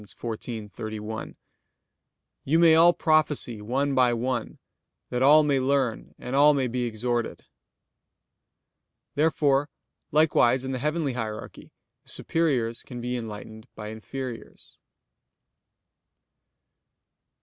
14:31): "You may all prophesy one by one, that all may learn and all may be exhorted." Therefore, likewise in the heavenly hierarchy, the superiors can be enlightened by inferiors. Obj.